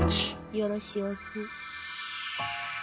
よろしおす。